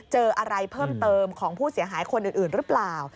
เจออะไรเพิ่มเติมของผู้เสียหายคนอื่นหรือเปล่า